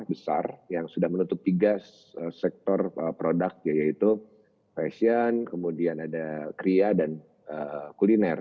besar yang sudah menutup tiga sektor produk yaitu fashion kemudian ada kria dan kuliner